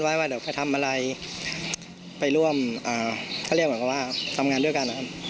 ว่าเดี๋ยวไปทำอะไรไปร่วมอ่าเขาเรียกเหมือนกับว่าทำงานด้วยกันนะครับ